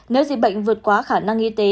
nếu dịch bệnh vượt qua khả năng y tế